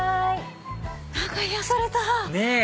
何か癒やされた！ねぇ！